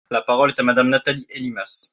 La parole est à Madame Nathalie Elimas.